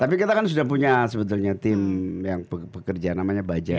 tapi kita kan sudah punya sebetulnya tim yang pekerja namanya baja